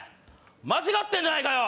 間違ってんじゃないかよ！